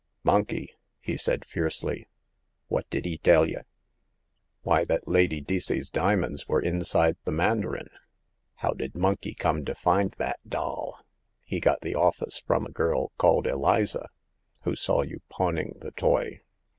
Monkey," he said, fiercely. " Wot did 'e tell y* ?" 12 194 Hagar of the Pawn Shop. Why, that Lady Deacey's diamonds were inside the mandarin." How did Monkey come to find that doll?" He got the office from a girl called Eliza, who saw you pawning the toy."